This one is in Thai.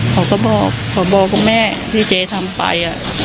เขาก็บอกบอกแม่ที่เจ๊ทำไป